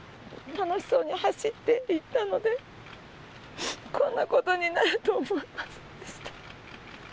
楽しそうに走っていったので、こんなことになると思いませんでした。